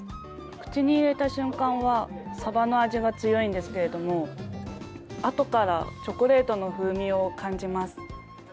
口に入れた瞬間は、サバの味が強いんですけれども、あとからチョコレートの風味を感じます。